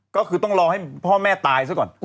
ก็คือต้องรอให้พ่อแม่ตายซะก่อน